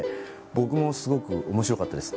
僕もすごくおもしろかったです。